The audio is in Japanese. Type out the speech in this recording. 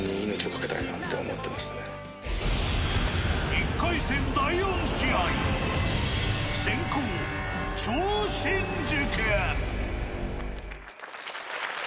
１回戦、第４試合先攻、超新塾。